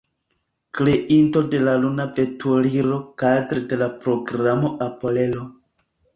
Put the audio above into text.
Kreinto de luna veturilo kadre de la Programo Apollo.